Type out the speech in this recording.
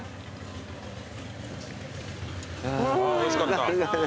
おいしかった。